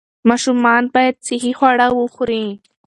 ماشومان باید صحي خواړه وخوري.